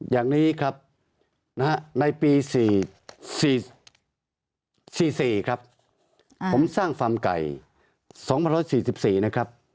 อย่างนี้ครับในปี๔๔ครับผมสร้างฟาร์มไก่๒๑๔๔นะครับ